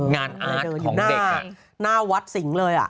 งานอาร์ตของเด็กอะอยู่หน้าวัดสิงค์เลยอะ